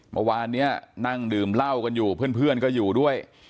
เมื่อวานนี้นั่งดื่มเหล้ากันอยู่เพื่อนก็อยู่ด้วย